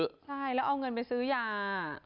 ใช่แล้วเอาเงินไปซื้อยา